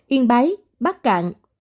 yên bái bắt cạn